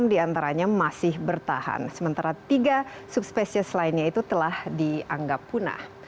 enam diantaranya masih bertahan sementara tiga subspesies lainnya itu telah dianggap punah